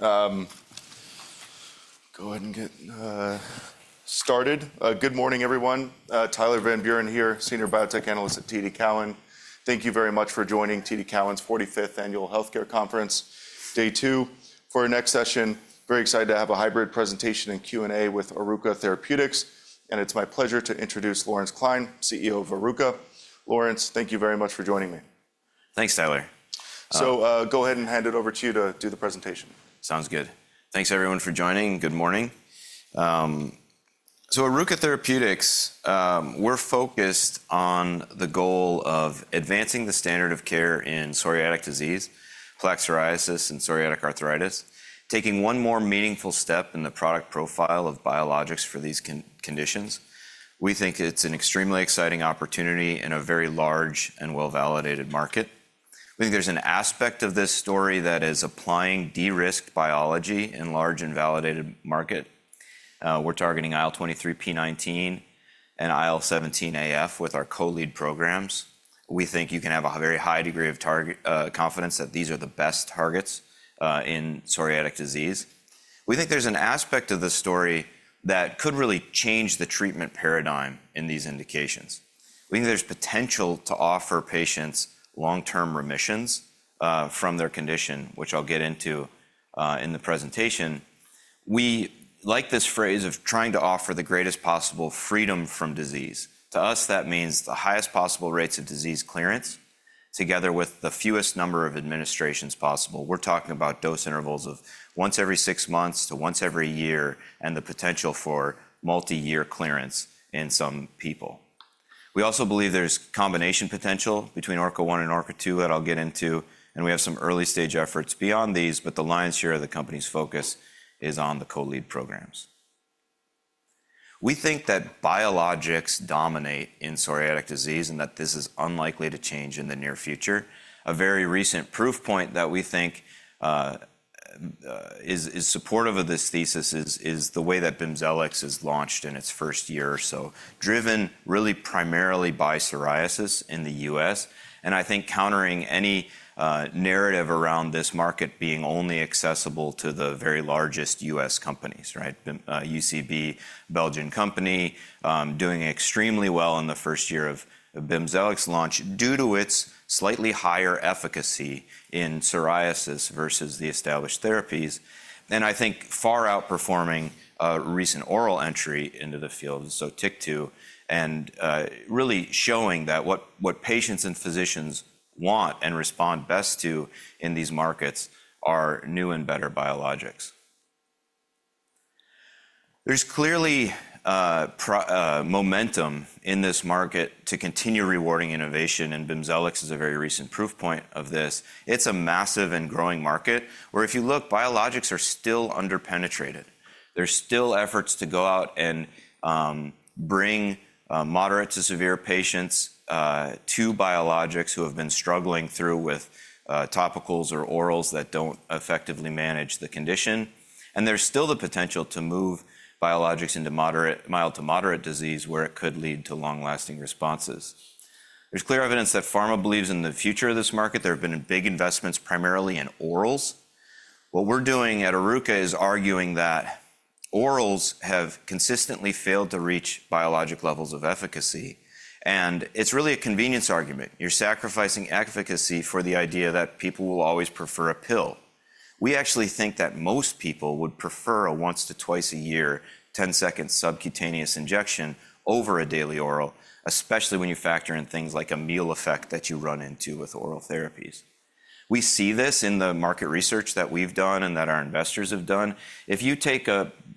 All right. Go ahead and get started. Good morning, everyone. Tyler Van Buren here, Senior Biotech Analyst at TD Cowen. Thank you very much for jong TD Cowen's 45th Annual Healthcare Conference, Day 2. For our next session, very excited to have a hybrid presentation and Q&A with Oruka Therapeutics. And it's my pleasure to introduce Lawrence Klein, CEO of Oruka. Lawrence, thank you very much for joining me. Thanks, Tyler. Go ahead and hand it over to you to do the presentation. Sounds good. Thanks, everyone, for joining. Good morning. Oruka Therapeutics, we're focused on the goal of advancing the standard of care in psoriatic disease, plaque psoriasis, and psoriatic arthritis, taking one more meaningful step in the product profile of biologics for these conditions. We think it's an extremely exciting opportunity in a very large and well-validated market. We think there's an aspect of this story that is applying de-risked biology in a large and validated market. We're targeting IL-23p19 and IL-17A/F with our co-lead programs. We think you can have a very high degree of confidence that these are the best targets in psoriatic disease. We think there's an aspect of the story that could really change the treatment paradigm in these indications. We think there's potential to offer patients long-term remissions from their condition, which I'll get into in the presentation. We like this phrase of trying to offer the greatest possible freedom from disease. To us, that means the highest possible rates of disease clearance, together with the fewest number of administrations possible. We are talking about dose intervals of once every six months to once every year, and the potential for multi-year clearance in some people. We also believe there is combination potential between ORKA-001 and ORKA-002 that I will get into. We have some early-stage efforts beyond these. The lion's share of the company's focus is on the co-lead programs. We think that biologics dominate in psoriatic disease and that this is unlikely to change in the near future. A very recent proof point that we think is supportive of this thesis is the way that BIMZELX is launched in its first year, driven really primarily by psoriasis in the U.S. I think countering any narrative around this market being only accessible to the very largest U.S. companies, right? UCB, Belgian company, doing extremely well in the first year of BIMZELX launch due to its slightly higher efficacy in psoriasis versus the established therapies. I think far outperforming recent oral entry into the field, SOTYKTU, and really showing that what patients and physicians want and respond best to in these markets are new and better biologics. There is clearly momentum in this market to continue rewarding innovation. BIMZELX is a very recent proof point of this. It is a massive and growing market where, if you look, biologics are still underpenetrated. There are still efforts to go out and bring moderate to severe patients to biologics who have been struggling through with topicals or orals that do not effectively manage the condition. There is still the potential to move biologics into mild to moderate disease where it could lead to long-lasting responses. There is clear evidence that pharma believes in the future of this market. There have been big investments primarily in orals. What we are doing at Oruka is arguing that orals have consistently failed to reach biologic levels of efficacy. It is really a convenience argument. You are sacrificing efficacy for the idea that people will always prefer a pill. We actually think that most people would prefer a once to twice a year 10-second subcutaneous injection over a daily oral, especially when you factor in things like a meal effect that you run into with oral therapies. We see this in the market research that we have done and that our investors have done. If you take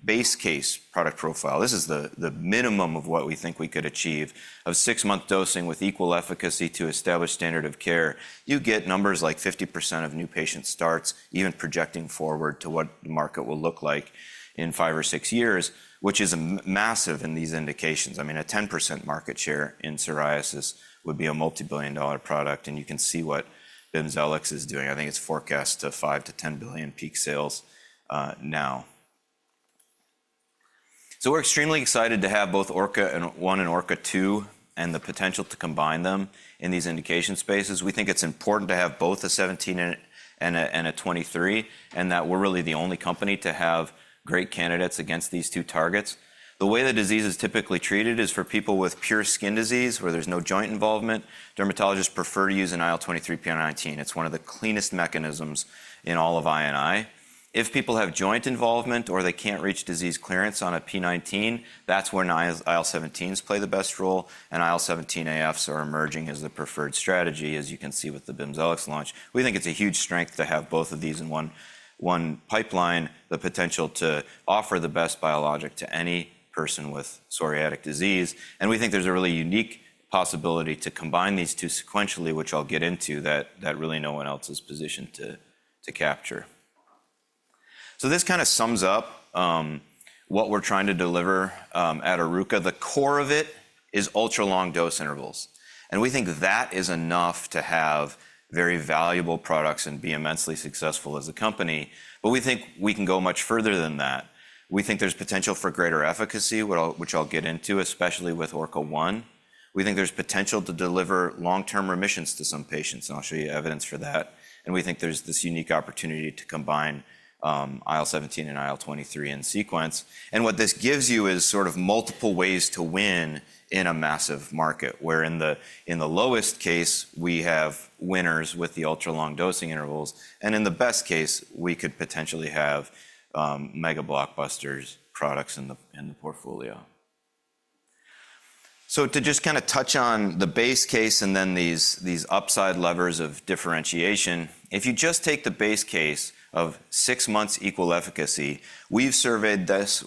a base case product profile, this is the minimum of what we think we could achieve, of six-month dosing with equal efficacy to established standard of care, you get numbers like 50% of new patient starts, even projecting forward to what the market will look like in five or six years, which is massive in these indications. I mean, a 10% market share in psoriasis would be a multi-billion dollar product. You can see what BIMZELX is doing. I think it's forecast to $5 billion-$10 billion peak sales now. We are extremely excited to have both ORKA-001 and ORKA-002 and the potential to combine them in these indication spaces. We think it's important to have both a 17 and a 23 and that we are really the only company to have great candidates against these two targets. The way the disease is typically treated is for people with pure skin disease where there's no joint involvement. Dermatologists prefer to use an IL-23p19. It's one of the cleanest mechanisms in all of I&I. If people have joint involvement or they can't reach disease clearance on a p19, that's when IL-17s play the best role. IL-17A/Fs are emerging as the preferred strategy, as you can see with the BIMZELX launch. We think it's a huge strength to have both of these in one pipeline, the potential to offer the best biologic to any person with psoriatic disease. We think there's a really unique possibility to combine these two sequentially, which I'll get into, that really no one else is positioned to capture. This kind of sums up what we're trying to deliver at Oruka. The core of it is ultra-long dose intervals. We think that is enough to have very valuable products and be immensely successful as a company. We think we can go much further than that. We think there is potential for greater efficacy, which I'll get into, especially with ORKA-001. We think there is potential to deliver long-term remissions to some patients. I'll show you evidence for that. We think there is this unique opportunity to combine IL-17 and IL-23 in sequence. What this gives you is sort of multiple ways to win in a massive market, where in the lowest case, we have winners with the ultra-long dosing intervals. In the best case, we could potentially have mega blockbusters products in the portfolio. To just kind of touch on the base case and then these upside levers of differentiation, if you just take the base case of six months' equal efficacy, we've surveyed this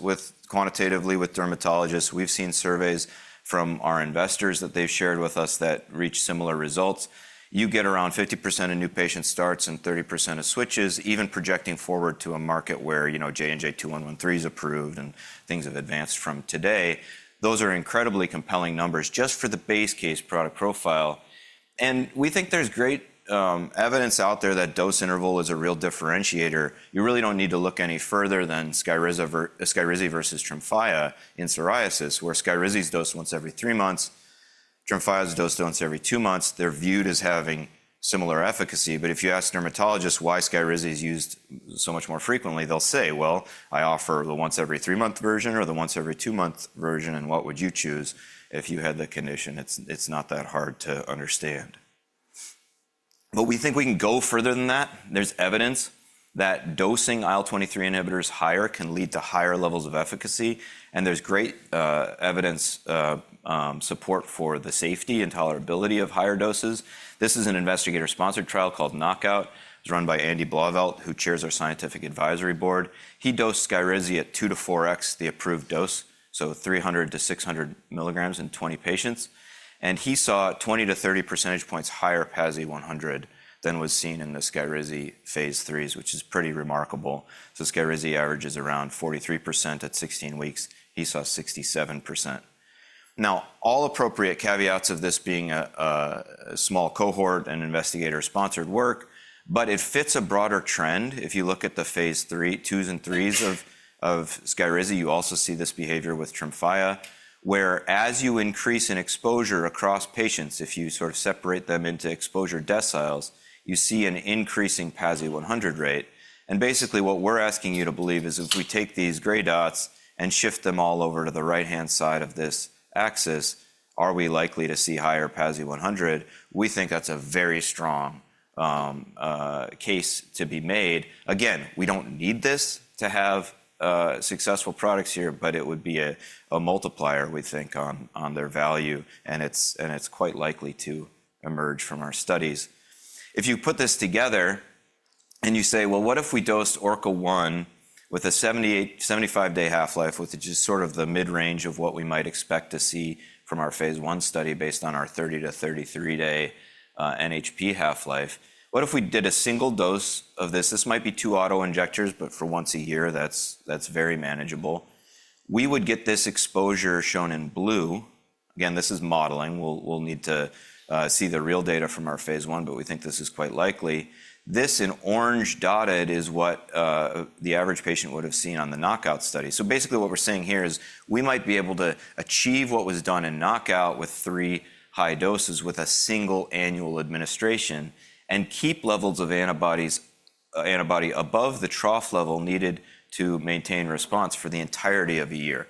quantitatively with dermatologists. We've seen surveys from our investors that they've shared with us that reach similar results. You get around 50% of new patient starts and 30% of switches, even projecting forward to a market where JNJ-2113 is approved and things have advanced from today. Those are incredibly compelling numbers just for the base case product profile. We think there's great evidence out there that dose interval is a real differentiator. You really don't need to look any further than SKYRIZI versus TREMFYA in psoriasis, where SKYRIZI's dose is once every three months. TREMFYA's dose is once every two months. They're viewed as having similar efficacy. If you ask dermatologists why SKYRIZI is used so much more frequently, they'll say, "Well, I offer the once every three-month version or the once every two-month version. And what would you choose if you had the condition?" It's not that hard to understand. We think we can go further than that. There's evidence that dosing IL-23 inhibitors higher can lead to higher levels of efficacy. There's great evidence support for the safety and tolerability of higher doses. This is an investigator-sponsored trial called KNOCKOUT. It's run by Andy Blauvelt, who chairs our scientific advisory board. He dosed SKYRIZI at 2x-4x the approved dose, so 300 mg-600 mg in 20 patients. He saw 20-30 percentage points higher PASI 100 than was seen in the SKYRIZI phase III, which is pretty remarkable. SKYRIZI averages around 43% at 16 weeks. He saw 67%. Now, all appropriate caveats of this being a small cohort and investigator-sponsored work. It fits a broader trend. If you look at the phase III, twos, and threes of SKYRIZI, you also see this behavior with TREMFYA, where as you increase in exposure across patients, if you sort of separate them into exposure deciles, you see an increasing PASI 100 rate. Basically, what we're asking you to believe is if we take these gray dots and shift them all over to the right-hand side of this axis, are we likely to see higher PASI 100? We think that's a very strong case to be made. Again, we don't need this to have successful products here, but it would be a multiplier, we think, on their value. It is quite likely to emerge from our studies. If you put this together and you say, "Well, what if we dosed ORKA-001 with a 75-day half-life, which is sort of the mid-range of what we might expect to see from our phase I study based on our 30-33-day NHP half-life? What if we did a single dose of this?" This might be two autoinjectors, but for once a year, that's very manageable. We would get this exposure shown in blue. Again, this is modeling. We'll need to see the real data from our phase I, but we think this is quite likely. This in orange dotted is what the average patient would have seen on the KNOCKOUT study. Basically, what we're saying here is we might be able to achieve what was done in KNOCKOUT with three high doses with a single annual administration and keep levels of antibody above the trough level needed to maintain response for the entirety of a year.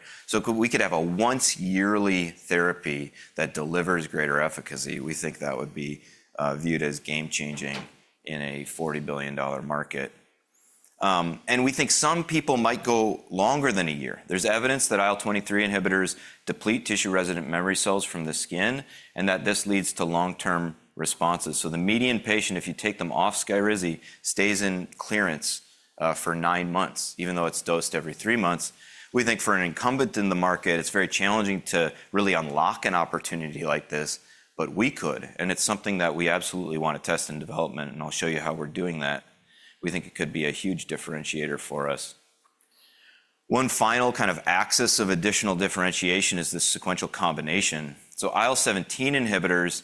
We could have a once yearly therapy that delivers greater efficacy. We think that would be viewed as game-changing in a $40 billion market. We think some people might go longer than a year. There's evidence that IL-23 inhibitors deplete tissue-resident memory cells from the skin and that this leads to long-term responses. The median patient, if you take them off SKYRIZI, stays in clearance for nine months, even though it's dosed every three months. We think for an incumbent in the market, it's very challenging to really unlock an opportunity like this, but we could. It is something that we absolutely want to test in development. I will show you how we are doing that. We think it could be a huge differentiator for us. One final kind of axis of additional differentiation is this sequential combination. IL-17 inhibitors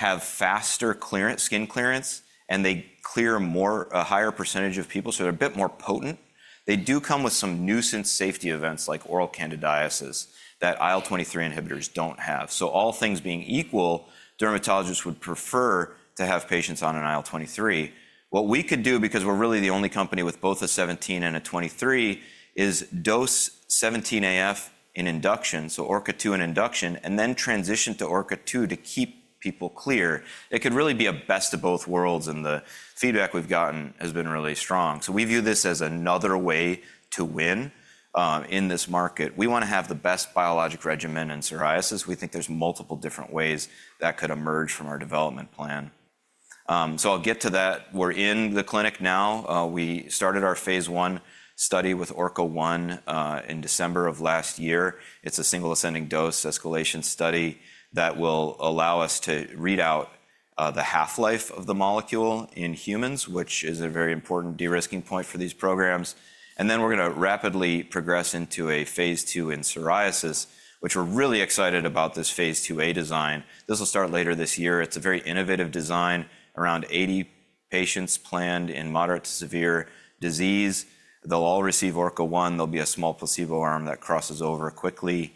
have faster skin clearance, and they clear a higher percentage of people, so they are a bit more potent. They do come with some nuisance safety events like oral candidiasis that IL-23 inhibitors do not have. All things being equal, dermatologists would prefer to have patients on an IL-23. What we could do, because we are really the only company with both a 17 and a 23, is dose IL-17A/F in induction, so ORKA-002 in induction, and then transition to ORKA-002 to keep people clear. It could really be a best of both worlds. The feedback we have gotten has been really strong. We view this as another way to win in this market. We want to have the best biologic regimen in psoriasis. We think there's multiple different ways that could emerge from our development plan. I'll get to that. We're in the clinic now. We started our phase I study with ORKA-001 in December of last year. It's a single ascending dose escalation study that will allow us to read out the half-life of the molecule in humans, which is a very important de-risking point for these programs. We're going to rapidly progress into a phase II in psoriasis, which we're really excited about this phase II-A design. This will start later this year. It's a very innovative design, around 80 patients planned in moderate to severe disease. They'll all receive ORKA-001. There will be a small placebo arm that crosses over quickly.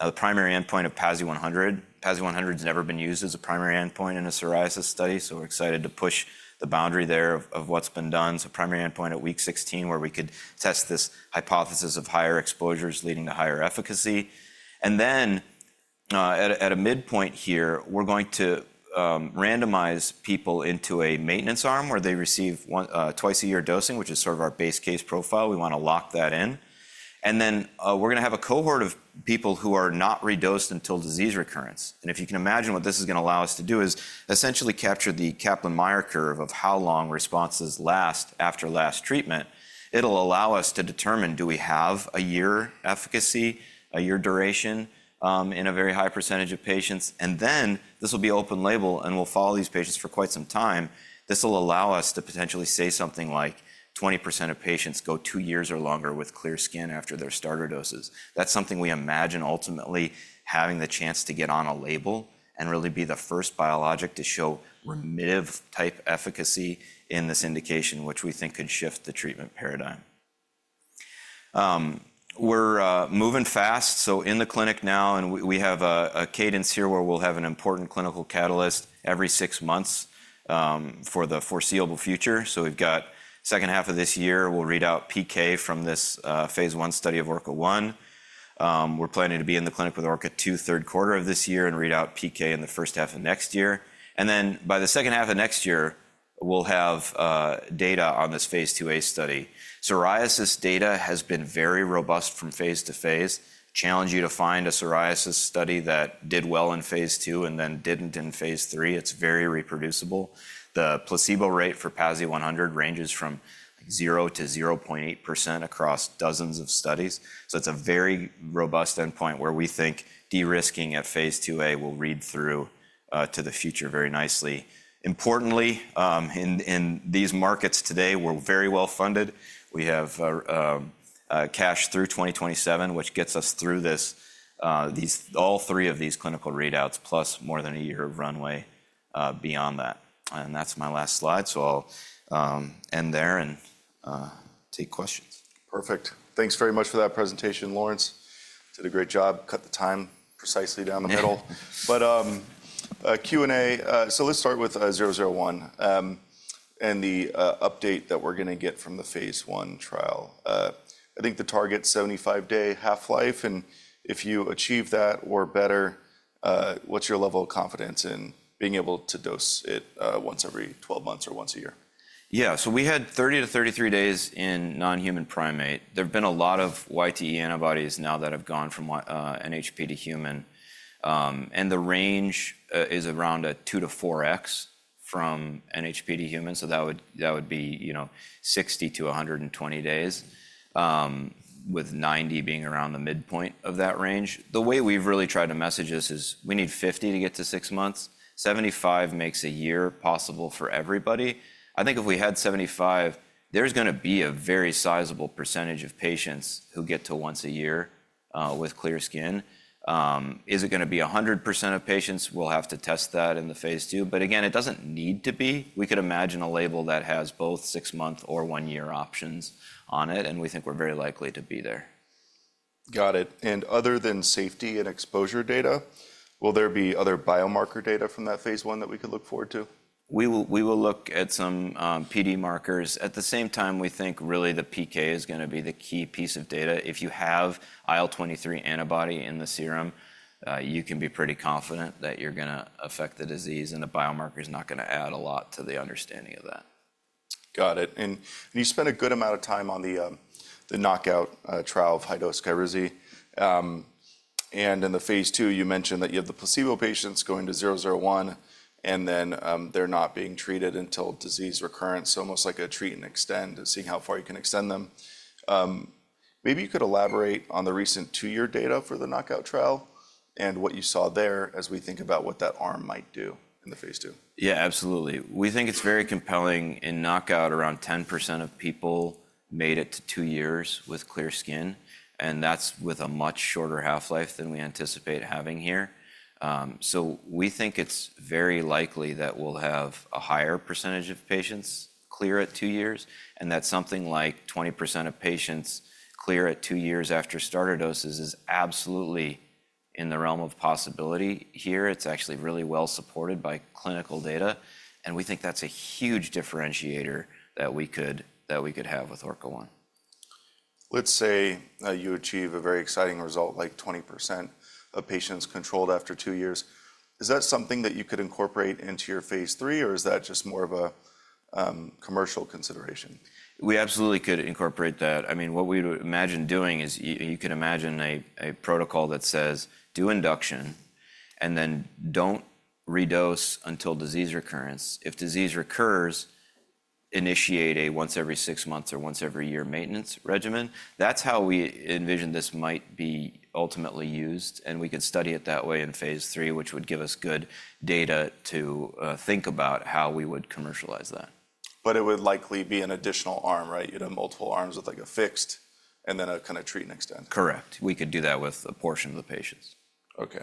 The primary endpoint of PASI 100. PASI 100 has never been used as a primary endpoint in a psoriasis study. We are excited to push the boundary there of what has been done. It is a primary endpoint at week 16 where we could test this hypothesis of higher exposures leading to higher efficacy. At a midpoint here, we are going to randomize people into a maintenance arm where they receive twice a year dosing, which is sort of our base case profile. We want to lock that in. We are going to have a cohort of people who are not redosed until disease recurrence. If you can imagine what this is going to allow us to do, it is essentially capture the Kaplan-Meier curve of how long responses last after last treatment. It'll allow us to determine do we have a year efficacy, a year duration in a very high percentage of patients. This will be open label, and we'll follow these patients for quite some time. This will allow us to potentially say something like 20% of patients go two years or longer with clear skin after their starter doses. That's something we imagine ultimately having the chance to get on a label and really be the first biologic to show remissive-type efficacy in this indication, which we think could shift the treatment paradigm. We're moving fast. In the clinic now, and we have a cadence here where we'll have an important clinical catalyst every six months for the foreseeable future. We've got second half of this year. We'll read out PK from this phase I study of ORKA-001. We're planning to be in the clinic with ORKA-002 third quarter of this year and read out PK in the first half of next year. By the second half of next year, we'll have data on this phase II-A study. Psoriasis data has been very robust from phase to phase. Challenge you to find a psoriasis study that did well in phase II and then didn't in phase III. It's very reproducible. The placebo rate for PASI 100 ranges from 0%-0.8% across dozens of studies. It's a very robust endpoint where we think de-risking at phase II-A will read through to the future very nicely. Importantly, in these markets today, we're very well funded. We have cash through 2027, which gets us through all three of these clinical readouts, plus more than a year of runway beyond that. That is my last slide. I will end there and take questions. Perfect. Thanks very much for that presentation, Lawrence. Did a great job. Cut the time precisely down the middle. Q&A. Let's start with 001 and the update that we're going to get from the phase I trial. I think the target 75-day half-life. If you achieve that or better, what's your level of confidence in being able to dose it once every 12 months or once a year? Yeah. We had 30 days-33 days in non-human primate. There have been a lot of YTE antibodies now that have gone from NHP to human. The range is around a 2x-4x from NHP to human. That would be 60 days-120 days, with 90 being around the midpoint of that range. The way we've really tried to message this is we need 50number to get to six months. 75 makes a year possible for everybody. I think if we had 75, there's going to be a very sizable percentage of patients who get to once a year with clear skin. Is it going to be 100% of patients? We'll have to test that in the phase II. Again, it doesn't need to be. We could imagine a label that has both six-month or one-year options on it. We think we're very likely to be there. Got it. Other than safety and exposure data, will there be other biomarker data from that phase I that we could look forward to? We will look at some PD markers. At the same time, we think really the PK is going to be the key piece of data. If you have IL-23 antibody in the serum, you can be pretty confident that you're going to affect the disease, and a biomarker is not going to add a lot to the understanding of that. Got it. You spent a good amount of time on the KNOCKOUT trial of high-dose SKYRIZI. In the phase II, you mentioned that you have the placebo patients going to 001, and then they're not being treated until disease recurrence, so almost like a treat and extend to see how far you can extend them. Maybe you could elaborate on the recent two-year data for the KNOCKOUT trial and what you saw there as we think about what that arm might do in the phase II. Yeah, absolutely. We think it's very compelling in KNOCKOUT. Around 10% of people made it to two years with clear skin. That's with a much shorter half-life than we anticipate having here. We think it's very likely that we'll have a higher percentage of patients clear at two years. Something like 20% of patients clear at two years after starter doses is absolutely in the realm of possibility. Here, it's actually really well supported by clinical data. We think that's a huge differentiator that we could have with ORKA-001. Let's say you achieve a very exciting result, like 20% of patients controlled after two years. Is that something that you could incorporate into your phase III, or is that just more of a commercial consideration? We absolutely could incorporate that. I mean, what we would imagine doing is you could imagine a protocol that says, do induction and then do not redose until disease recurrence. If disease recurs, initiate a once every six months or once every year maintenance regimen. That is how we envision this might be ultimately used. We could study it that way in phase III, which would give us good data to think about how we would commercialize that. It would likely be an additional arm, right? You'd have multiple arms with like a fixed and then a kind of treat and extend. Correct. We could do that with a portion of the patients. Okay.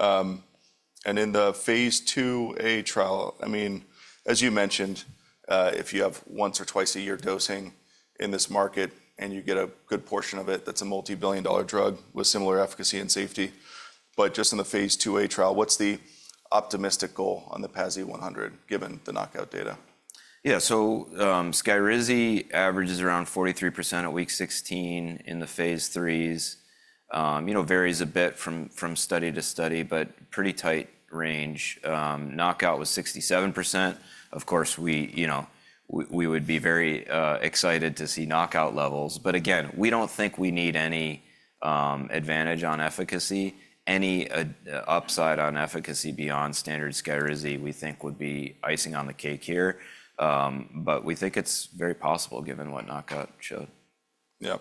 In the phase II-A trial, I mean, as you mentioned, if you have once or twice a year dosing in this market and you get a good portion of it, that's a multi-billion dollar drug with similar efficacy and safety. Just in the phase II-A trial, what's the optimistic goal on the PASI 100 given the KNOCKOUT data? Yeah. SKYRIZI averages around 43% at week 16 in the phase III's. Varies a bit from study to study, but pretty tight range. KNOCKOUT was 67%. Of course, we would be very excited to see KNOCKOUT levels. Again, we do not think we need any advantage on efficacy. Any upside on efficacy beyond standard SKYRIZI, we think would be icing on the cake here. We think it is very possible given what KNOCKOUT showed. Yep.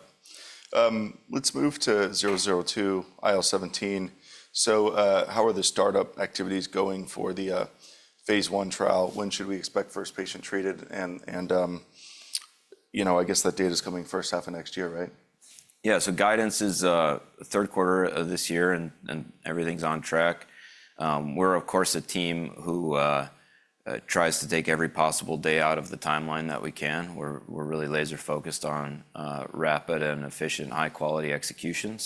Let's move to 002, IL-17. How are the startup activities going for the phase I trial? When should we expect first patient treated? I guess that data is coming first half of next year, right? Yeah. Guidance is third quarter of this year, and everything's on track. We're, of course, a team who tries to take every possible day out of the timeline that we can. We're really laser-focused on rapid and efficient, high-quality execution.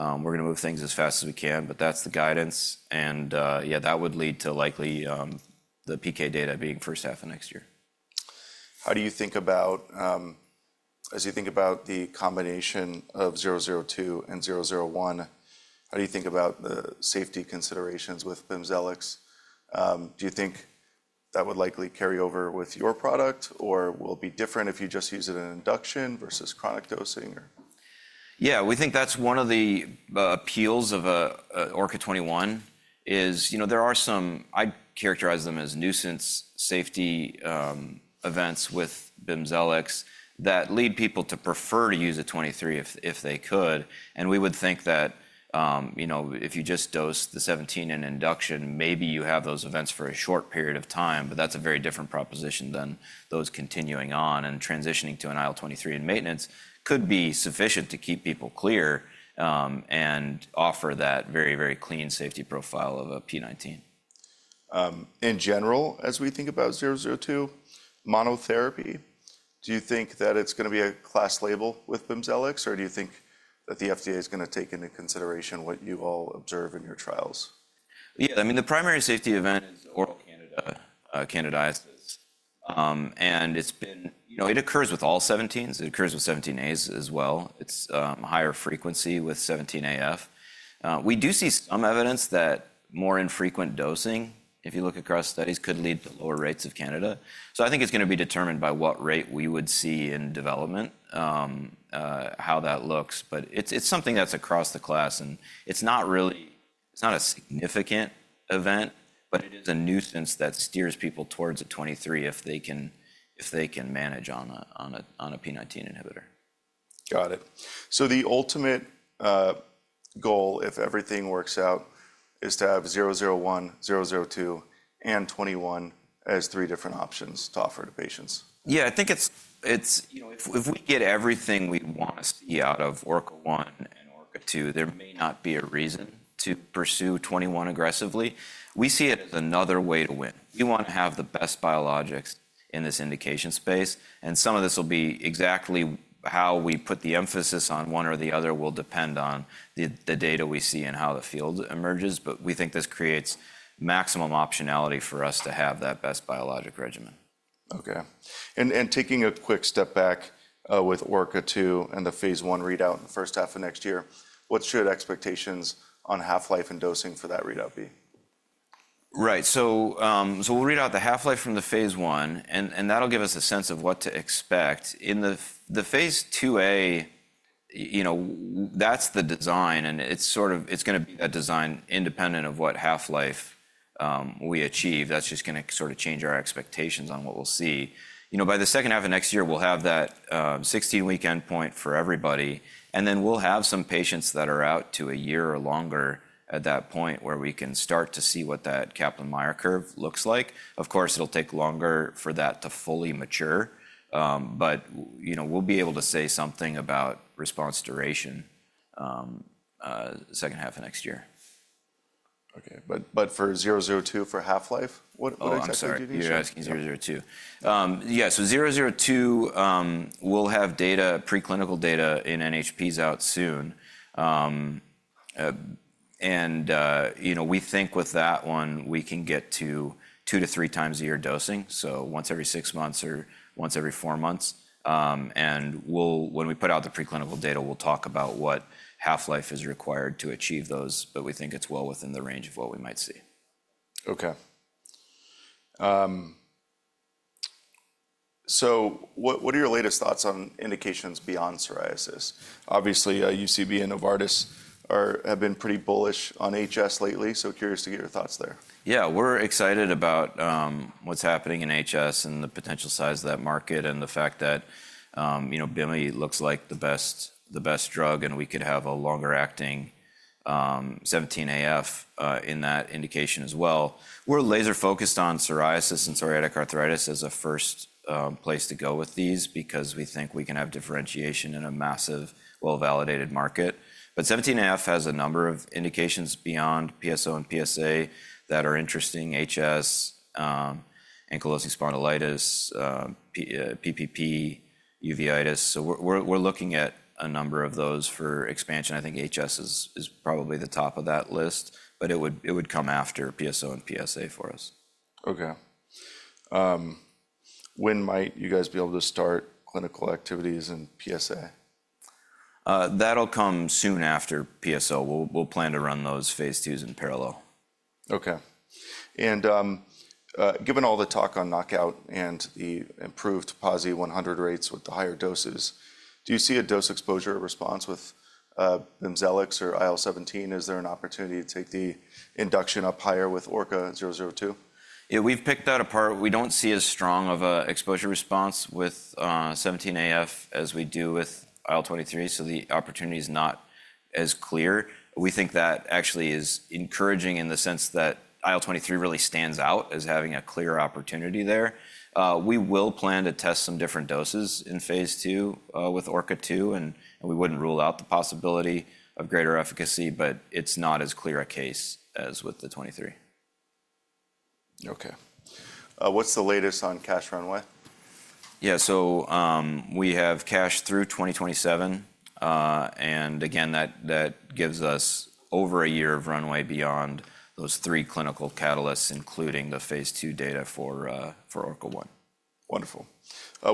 We're going to move things as fast as we can. That's the guidance. Yeah, that would lead to likely the PK data being first half of next year. How do you think about as you think about the combination of 002 and 001, how do you think about the safety considerations with BIMZELX? Do you think that would likely carry over with your product, or will it be different if you just use it in induction versus chronic dosing? Yeah. We think that's one of the appeals of ORKA-21 is there are some, I characterize them as nuisance safety events with BIMZELX that lead people to prefer to use a 23 if they could. We would think that if you just dose the 17 in induction, maybe you have those events for a short period of time. That's a very different proposition than those continuing on and transitioning to an IL-23 in maintenance could be sufficient to keep people clear and offer that very, very clean safety profile of a p19. In general, as we think about 002 monotherapy, do you think that it's going to be a class label with BIMZELX, or do you think that the FDA is going to take into consideration what you all observe in your trials? Yeah. I mean, the primary safety event is oral candidiasis. And it occurs with all 17s. It occurs with 17As as well. It is higher frequency with 17A/F. We do see some evidence that more infrequent dosing, if you look across studies, could lead to lower rates of candidiasis. I think it is going to be determined by what rate we would see in development, how that looks. It is something that is across the class. It is not a significant event, but it is a nuisance that steers people towards a 23 if they can manage on a p19 inhibitor. Got it. The ultimate goal, if everything works out, is to have 001, 002, and 21 as three different options to offer to patients. Yeah. I think if we get everything we want to see out of ORKA-001 and ORKA-002, there may not be a reason to pursue 21 aggressively. We see it as another way to win. We want to have the best biologics in this indication space. Some of this will be exactly how we put the emphasis on one or the other will depend on the data we see and how the field emerges. We think this creates maximum optionality for us to have that best biologic regimen. Okay. Taking a quick step back with ORKA-002 and the phase I readout in the first half of next year, what should expectations on half-life and dosing for that readout be? Right. We'll read out the half-life from the phase I, and that'll give us a sense of what to expect. In the phase II-A, that's the design. It's going to be that design independent of what half-life we achieve. That's just going to sort of change our expectations on what we'll see. By the second half of next year, we'll have that 16-week endpoint for everybody. We'll have some patients that are out to a year or longer at that point where we can start to see what that Kaplan-Meier curve looks like. Of course, it'll take longer for that to fully mature. We'll be able to say something about response duration second half of next year. Okay. For 002 for half-life, what expectations are you doing? Oh, I'm sorry. You're asking 002. Yeah. 002, we'll have preclinical data in NHPs out soon. We think with that one, we can get to two to three times a year dosing, so once every six months or once every four months. When we put out the preclinical data, we'll talk about what half-life is required to achieve those. We think it's well within the range of what we might see. Okay. What are your latest thoughts on indications beyond psoriasis? Obviously, UCB and Novartis have been pretty bullish on HS lately. Curious to get your thoughts there. Yeah. We're excited about what's happening in HS and the potential size of that market and the fact that BIMZELX looks like the best drug. And we could have a longer-acting 17A/F in that indication as well. We're laser-focused on psoriasis and psoriatic arthritis as a first place to go with these because we think we can have differentiation in a massive, well-validated market. But 17A/F has a number of indications beyond PSO and that are interesting: HS, ankylosing spondylitis, PPP, uveitis. So we're looking at a number of those for expansion. I think HS is probably the top of that list. But it would come after PSO and PsA for us. Okay. When might you guys be able to start clinical activities in PsA? That'll come soon after PSO. We'll plan to run those phase IIs in parallel. Okay. Given all the talk on KNOCKOUT and the improved PASI 100 rates with the higher doses, do you see a dose exposure response with BIMZELX or IL-17? Is there an opportunity to take the induction up higher with ORKA-002? Yeah. We've picked out a part we don't see as strong of an exposure response with 17A/F as we do with IL-23. The opportunity is not as clear. We think that actually is encouraging in the sense that IL-23 really stands out as having a clear opportunity there. We will plan to test some different doses in phase II with ORKA-002. We wouldn't rule out the possibility of greater efficacy, but it's not as clear a case as with the 23. Okay. What's the latest on cash runway? Yeah. We have cash through 2027. Again, that gives us over a year of runway beyond those three clinical catalysts, including the phase II data for ORKA-001. Wonderful.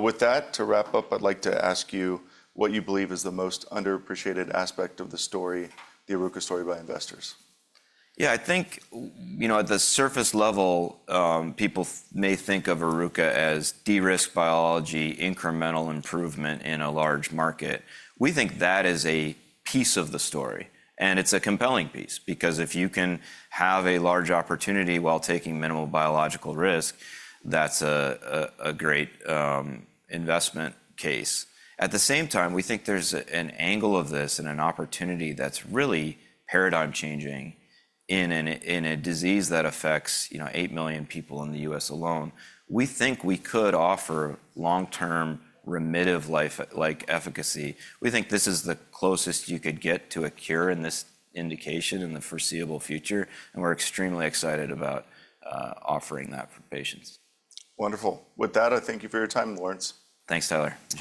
With that, to wrap up, I'd like to ask you what you believe is the most underappreciated aspect of the story, the Oruka story by investors. Yeah. I think at the surface level, people may think of Oruka as de-risk biology, incremental improvement in a large market. We think that is a piece of the story. It is a compelling piece because if you can have a large opportunity while taking minimal biological risk, that's a great investment case. At the same time, we think there's an angle of this and an opportunity that's really paradigm-changing in a disease that affects 8 million people in the U.S. alone. We think we could offer long-term remissive-like efficacy. We think this is the closest you could get to a cure in this indication in the foreseeable future. We're extremely excited about offering that for patients. Wonderful. With that, I thank you for your time, Lawrence. Thanks, Tyler.